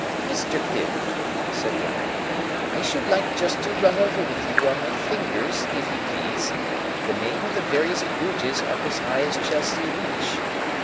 "Mr. Pip," said Wemmick, "I should like just to run over with you on my fingers, if you please, the names of the various bridges up as high as Chelsea Reach.